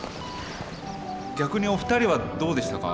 逆にお二人はどうでしたか？